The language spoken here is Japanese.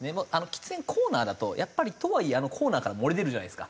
喫煙コーナーだとやっぱりとはいえあのコーナーから漏れ出るじゃないですか。